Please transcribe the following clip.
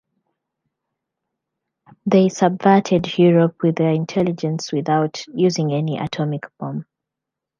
They subverted Europe with their intelligence without using any atomic bomb.